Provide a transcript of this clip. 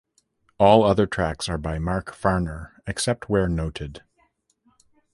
All other tracks are by Mark Farner, except where noted.